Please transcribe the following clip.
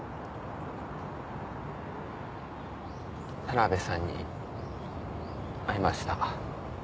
田辺さんに会いました。